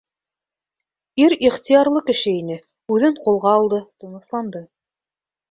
Ир ихтыярлы кеше ине, үҙен ҡулға алды, тынысланды.